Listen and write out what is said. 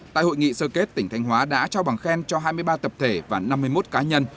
tại hội nghị sơ kết tỉnh thanh hóa đã trao bằng khen cho hai mươi ba tập thể và năm mươi một cá nhân